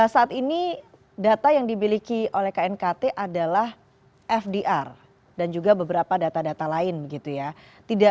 saat ini data yang dimiliki oleh knkt adalah fdr dan juga beberapa data data lain begitu ya